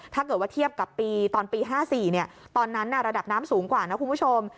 ถ้าเกิดว่าเทียบกับปีตอนปี๕๔ตอนนั้นระดับน้ำสูงกว่านะคุณผู้ชม